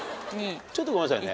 ちょっとごめんなさいね。